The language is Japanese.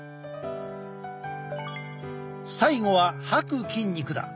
最後は吐く筋肉だ。